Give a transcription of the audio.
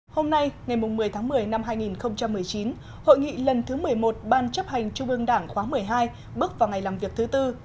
hôm nay ngày một mươi tháng một mươi năm hai nghìn một mươi chín hội nghị lần thứ một mươi một ban chấp hành trung ương đảng khóa một mươi hai bước vào ngày làm việc thứ tư